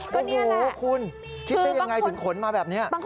ก็นี่แหละคุณคิดได้อย่างไรถึงขนมาแบบนี้คือบางคน